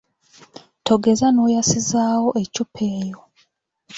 Togeza n’oyasizaawo eccupa eyo.